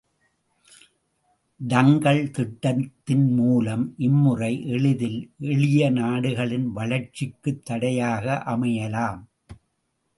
டங்கல் திட்டத்தின் மூலம் இம்முறை எளிதில் எளியநாடுகளின் வளர்ச்சிக்குத் தடையாக அமையலாம்.